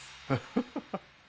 ハハハハ。